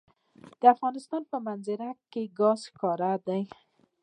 د افغانستان په منظره کې ګاز ښکاره ده.